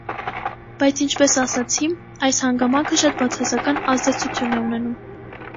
Բայց ինչպես ասացի՝ այս հանգամանքը շատ բացասական ազդեցություն է ունենում: